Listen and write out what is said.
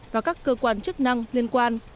và các cơ quan chức năng liên quan